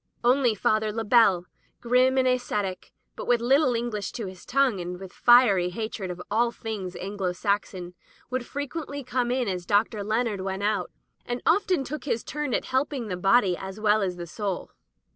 Only Father Labelle, grim and ascetic, with but litde Eng lish to his tongue, and with fiery hatred of all things Anglo Saxon, would frequendy come in as Dr. Leonard went out, and often took his turn at helping the body as well as the soul.